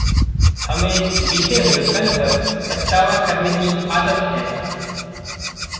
हमें बीते हुए कल पर पछतावा करने की आदत है।